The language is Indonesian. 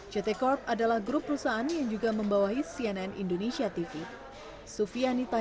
ct corp adalah grup perusahaan yang juga membawahi cnn indonesia tv